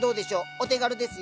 お手軽ですよ。